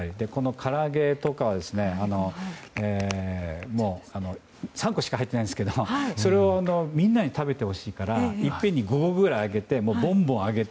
から揚げとかは３個しか入ってないんですけどそれをみんなに食べてほしいからいっぺんに５個くらいぼんぼんあげて。